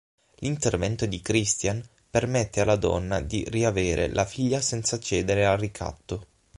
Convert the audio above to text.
L'intervento di Christian permette alla donna di riavere la figlia senza cedere al ricatto.